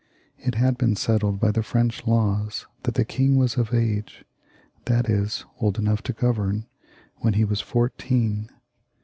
It had been settled by the French laws that the king was of age, that is, old enough to govern, when he was fourteen.